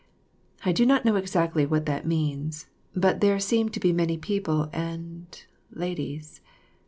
I do not know exactly what that means, but there seem to be many people and ladies.